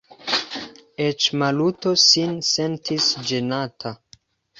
Eĉ Maluto sin sentis ĝenata.